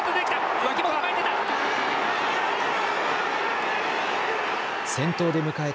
脇本、前に出た。